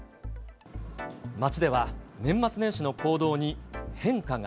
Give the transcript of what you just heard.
街では年末年始の行動に変化が。